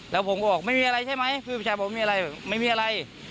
แล้วผมก็บอกไม่มีอะไรใช่ไหมพี่ผู้ชายผมมีอะไรไม่มีอะไร